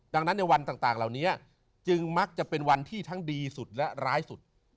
ดังนั้นในวันต่างเหล่านี้จึงมักจะเป็นวันที่ทั้งดีสุดและร้ายสุด